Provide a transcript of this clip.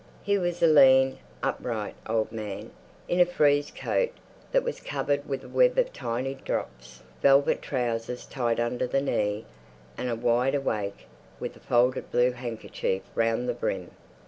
He was a lean, upright old man, in a frieze coat that was covered with a web of tiny drops, velvet trousers tied under the knee, and a wide awake with a folded blue handkerchief round the brim.